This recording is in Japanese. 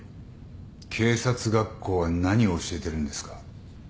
警察学校は何を教えてるんですか？